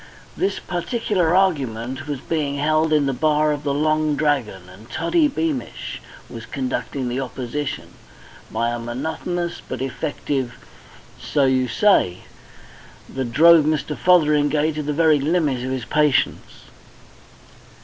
This particular argument was being held in the bar of the Long Dragon, and Toddy Beamish was conducting the opposition by a monotonous but effective "So you say," that drove Mr. Fotheringay to the very limit of his patience.